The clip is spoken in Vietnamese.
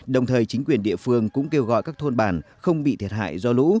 đồng thời chính quyền địa phương cũng kêu gọi các thôn bản không bị thiệt hại do lũ